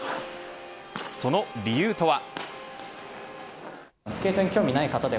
その理由とは。